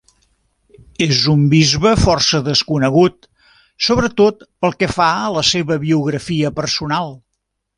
És un bisbe força desconegut, sobretot pel que fa a la seva biografia personal.